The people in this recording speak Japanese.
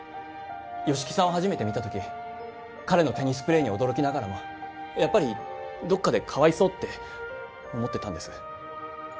吉木さんを初めて見た時彼のテニスプレーに驚きながらもやっぱりどっかでかわいそうって思ってたんです